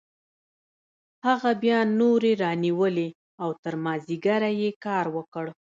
هغه بیا نورې رانیولې او تر مازدیګره یې کار وکړ